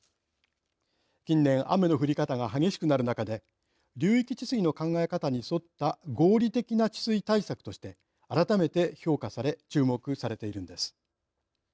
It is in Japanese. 近年、雨の降り方が激しくなる中で流域治水の考えに沿った合理的な治水対策として改めて評価され注目されているんです。